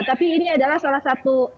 tapi ini adalah salah satu